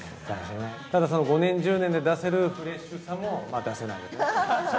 ただその５年、１０年で出せるフレッシュさも出せないよね。